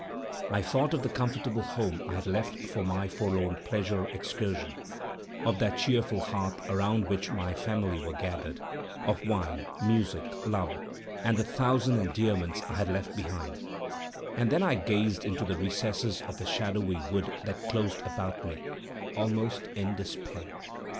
I thought of the comfortable home I had left for my forlorn pleasure excursion, of that cheerful hearth around which my family were gathered, of wine, music, love, and the thousand endearments I had left behind, and then I gazed into the recesses of the shadowy wood that closed about me, almost in despair.